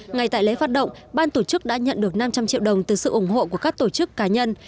ngay tại lễ phát động ban tổ chức đã nhận được năm trăm linh triệu đồng từ sự ủng hộ của các tổ chức cá nhân